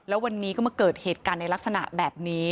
แล้ววันนี้ก็มาเกิดเหตุการณ์ในลักษณะแบบนี้